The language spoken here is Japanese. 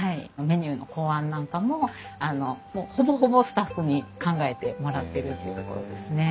メニューの考案なんかもほぼほぼスタッフに考えてもらってるっていうところですね。